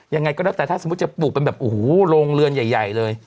ยังไงก็แล้วแต่ถ้าสมมุติจะปลูกเป็นแบบโอ้โหโรงเรือนใหญ่เลย